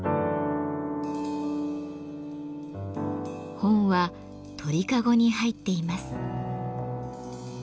本は鳥籠に入っています。